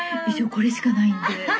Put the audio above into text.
これしかないんで。